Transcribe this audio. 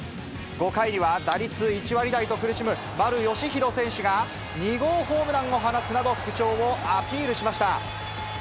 ５回には打率１割台と苦しむ丸佳浩選手が、２号ホームランを放つなど、復調をアピールしました。